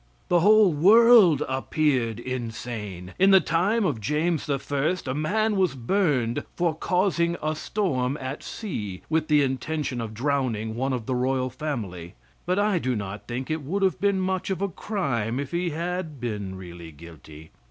The whole world appeared insane. In the time of James I, a man was burned for causing a storm at sea, with the intention of drowning one of the royal family, but I do not think it would have been much of a crime if he had been really guilty.